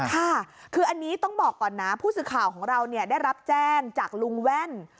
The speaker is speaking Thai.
ค่ะคืออันนี้ต้องบอกก่อนนะผู้สื่อข่าวของเราได้รับแจ้งจากลุงแว่น